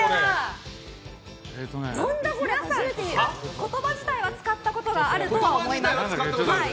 皆さん、言葉自体は使ったことがあると思います。